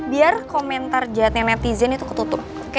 biar komentar jahatnya netizen itu ketutup